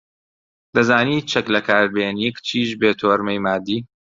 دەزانی چەک لەکار بێنی، کچیش بی تۆرمەی مادی